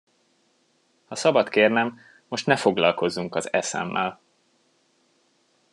Ha szabad kérnem, most ne foglalkozzunk az eszemmel!